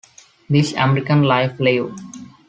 This American Life Live!